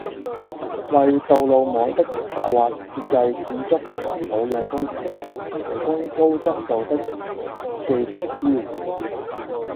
為道路網的策劃、設計、建築及保養工程，提供高質素的技術支援